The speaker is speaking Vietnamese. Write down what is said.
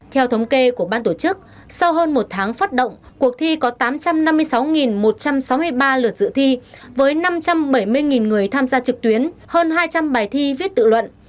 theo thống kê của ban tổ chức sau hơn một tháng phát động cuộc thi có tám trăm năm mươi sáu một trăm sáu mươi ba lượt dự thi với năm trăm bảy mươi người tham gia trực tuyến hơn hai trăm linh bài thi viết tự luận